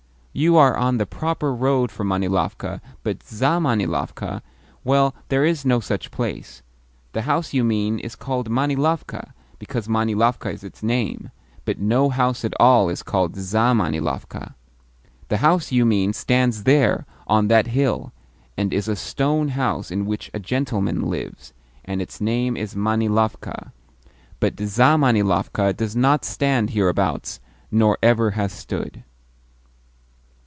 "You are on the proper road for Manilovka, but ZAmanilovka well, there is no such place. The house you mean is called Manilovka because Manilovka is its name; but no house at all is called ZAmanilovka. The house you mean stands there, on that hill, and is a stone house in which a gentleman lives, and its name is Manilovka; but ZAmanilovka does not stand hereabouts, nor ever has stood."